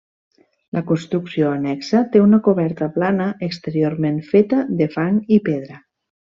La construcció annexa té una coberta plana, exteriorment feta de fang i pedra.